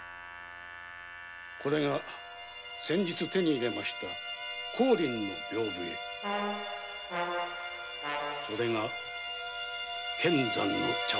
これが先日手に入れました洸淋のビョウブ絵それが乾山の茶